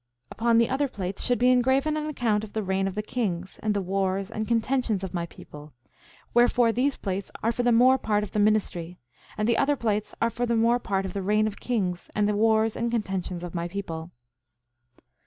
9:4 Upon the other plates should be engraven an account of the reign of the kings, and the wars and contentions of my people; wherefore these plates are for the more part of the ministry; and the other plates are for the more part of the reign of the kings and the wars and contentions of my people.